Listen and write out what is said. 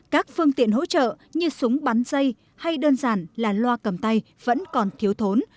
các phương tiện hỗ trợ như súng bắn dây hay đơn giản là loa cầm tay vẫn còn thiếu thốn